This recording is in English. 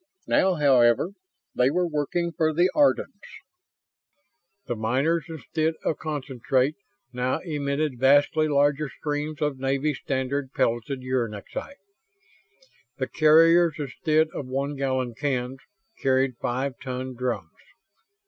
Now, however, they were working for the Ardans. The miners, instead of concentrate, now emitted vastly larger streams of Navy Standard pelleted uranexite. The carriers, instead of one gallon cans, carried five ton drums.